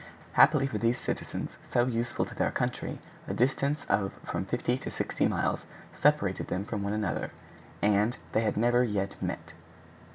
Happily for these citizens, so useful to their country, a distance of from fifty to sixty miles separated them from one another, and they had never yet met.